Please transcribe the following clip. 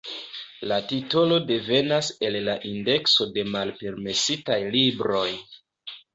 La titolo devenas el la indekso de malpermesitaj libroj.